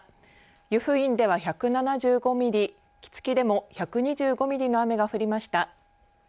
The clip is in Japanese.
湯布院では１７５ミリ杵築でも１２５ミリの雨が降りました。